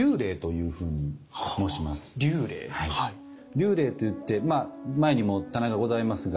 立礼と言ってまあ前にも棚がございますが。